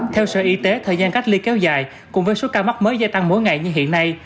theo sở y tế thời gian cách ly kéo dài cùng với số ca mắc mới gia tăng mỗi ngày như hiện nay